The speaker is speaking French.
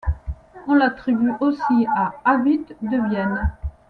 On l'attribue aussi à Avit de Vienne.